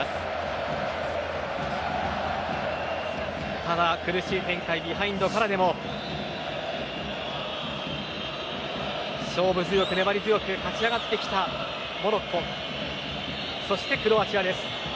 ただ、苦しい展開ビハインドからでも勝負強く粘り強く勝ち上がってきたモロッコそしてクロアチアです。